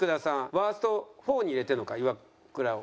ワースト４に入れてるのかイワクラを。